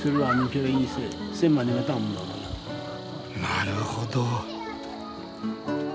なるほど。